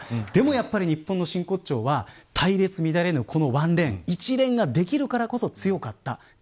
でも、やっぱり日本の真骨頂は隊列乱れぬこのワンレーンこれができるこそ強かった。